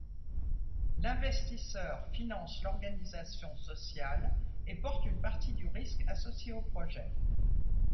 L'investisseur finance l'organisation sociale et porte une partie du risque associé au projet.